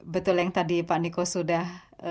betul yang tadi pak niko sudah